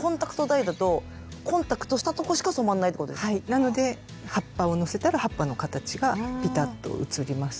なので葉っぱをのせたら葉っぱの形がピタッと移りますし。